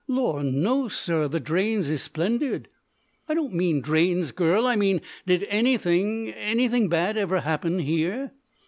"Lor', no, sir; the drains is splendid!" "I don't mean drains, girl. I mean, did anything anything bad ever happen here?"